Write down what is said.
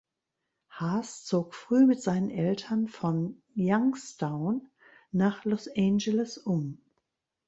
Haas zog früh mit seinen Eltern von Youngstown nach Los Angeles um.